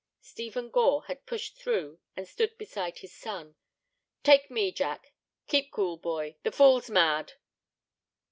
Stephen Gore had pushed through and stood beside his son. "Take me, Jack; keep cool, boy; the fool's mad."